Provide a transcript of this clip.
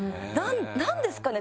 何ですかね？